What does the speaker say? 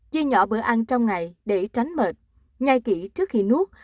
chia nhỏ bữa ăn trong ngày để tránh mệt ngay kỹ trước khi nuốt